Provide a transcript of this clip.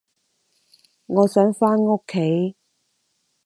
我想返屋企